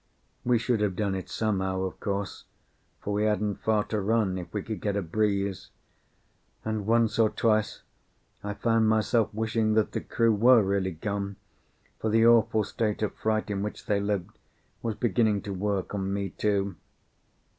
We should have done it somehow, of course, for we hadn't far to run if we could get a breeze; and once or twice I found myself wishing that the crew were really gone, for the awful state of fright in which they lived was beginning to work on me too.